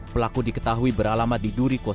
pelaku diketahui beralama di duri kosovo